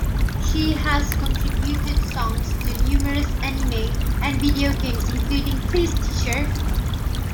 She has contributed songs to numerous anime and video games including Please Teacher!